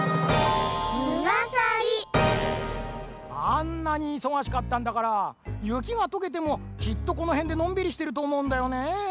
あんなにいそがしかったんだからゆきがとけてもきっとこのへんでのんびりしてるとおもうんだよね。